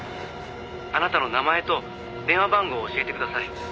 「あなたの名前と電話番号を教えてください」